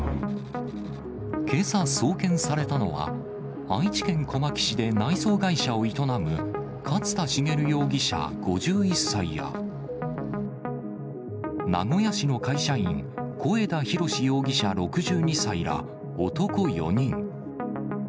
けさ送検されたのは、愛知県小牧市で内装会社を営む勝田茂容疑者５１歳や、名古屋市の会社員、小枝浩志容疑者６２歳ら男４人。